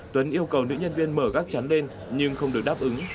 tuấn yêu cầu nữ nhân viên mở gác chắn lên nhưng không được đáp ứng